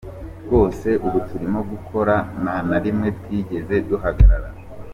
Rwose ubu turimo gukora nta na rimwe twigeze duhagarara”.